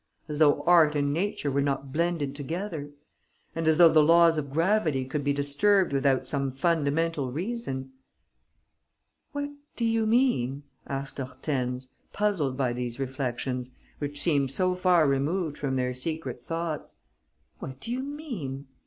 As though art and nature were not blended together! And as though the laws of gravity could be disturbed without some fundamental reason!" "What do you mean?" asked Hortense, puzzled by these reflections, which seemed so far removed from their secret thoughts. "What do you mean?"